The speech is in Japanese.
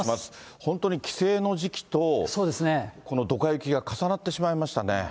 本当に帰省の時期とこのどか雪が重なってしまいましたね。